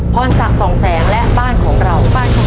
พรศักดิ์สองแสงและบ้านของเรา